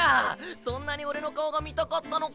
そんなにオレの顔が見たかったのか。